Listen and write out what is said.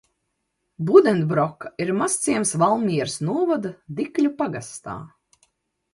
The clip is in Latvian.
Budenbroka ir mazciems Valmieras novada Dikļu pagastā.